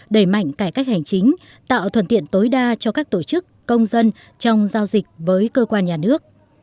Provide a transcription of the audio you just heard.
đẩy mạnh cải cách hành chính tạo thuận tiện tối đa cho các tổ chức công dân trong giao dịch với cơ quan nhà nước